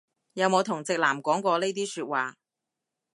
有冇同直男講過呢啲説話